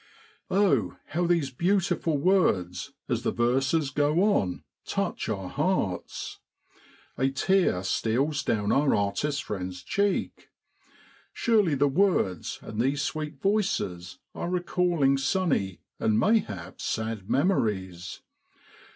Oh ! how these beautiful words, as the verses go on, touch our hearts. A tear steals down our artist friend's cheek. Surely the words and these sweet voices are recalling sunny, and mayhap sad memories.